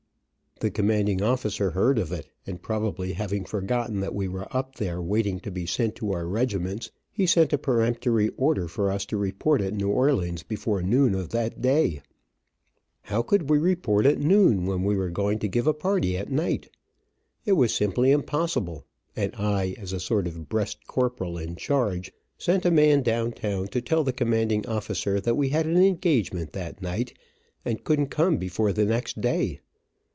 The commanding officer heard of it, and, probably having forgotten that we were up there waiting to be sent to our regiments he sent a peremptory order for us to report at New Orleans before noon of that day. How could we report at noon, when we were going to give a party at night? It was simply impossible, and I, as a sort of breast corporal in charge, sent a man down town to tell the commanding officer that we had an engagement that night, and couldn't come before the next day.